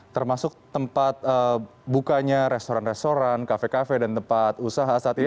termasuk tempat bukanya restoran restoran kafe kafe dan tempat usaha saat ini